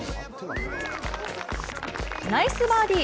ナイスバーディー。